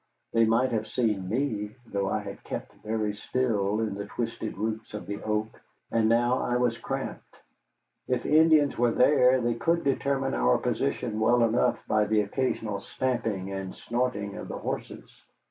They might have seen me, though I had kept very still in the twisted roots of the oak, and now I was cramped. If Indians were there, they could determine our position well enough by the occasional stamping and snorting of the horses.